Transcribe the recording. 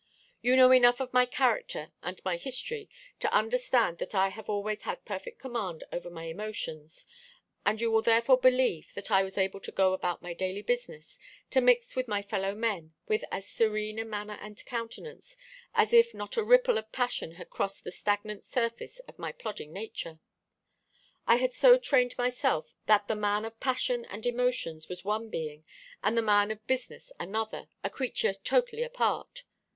You know enough of my character and my history to understand that I have always had perfect command over my emotions, and you will therefore believe that I was able to go about my daily business, to mix with my fellow men, with as serene a manner and countenance as if not a ripple of passion had crossed the stagnant surface of my plodding nature. I had so trained myself that the man of passion and emotions was one being, and the man of business another, a creature totally apart.